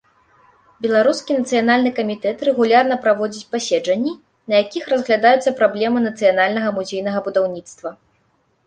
Беларускі нацыянальны камітэт рэгулярна праводзіць паседжанні, на якіх разглядаюцца праблемы нацыянальнага музейнага будаўніцтва.